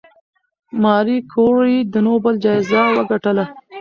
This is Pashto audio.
ماري کوري د نوبل جایزه وګټله.